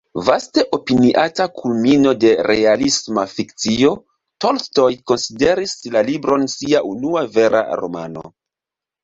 Vaste opiniata kulmino de realisma fikcio, Tolstoj konsideris la libron sia unua vera romano.